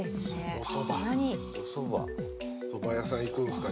おそば屋さん行くんすか？